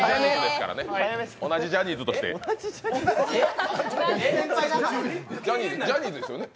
同じジャニーズとしてジャニーズですよね？